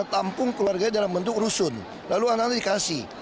tampung keluarganya dalam bentuk rusun lalu anak anak dikasih